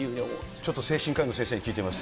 ちょっと精神科医の先生に聞いてみます。